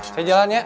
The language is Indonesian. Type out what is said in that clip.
saya jalan ya